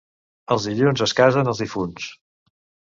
Els dilluns es casen els difunts.